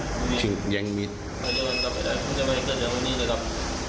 ไม่ได้คุณจะไปกันอย่างนี้เลยครับ